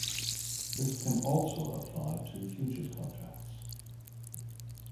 This can also apply to futures contracts.